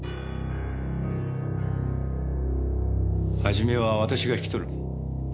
元は私が引き取る。